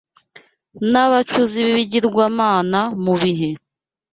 n’abacuzi b’ibigirwamana mu bihe